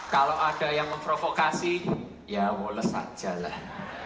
kalau ada yang memprovokasi ya woles sajalah